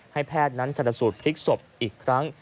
แพทย์นั้นชนสูตรพลิกศพอีกครั้ง